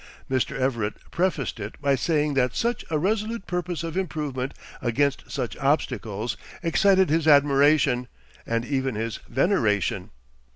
Mr. Everett prefaced it by saying that such a resolute purpose of improvement against such obstacles excited his admiration, and even his veneration.